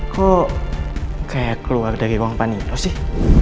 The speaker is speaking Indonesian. kok kayak keluar dari ruang panino sih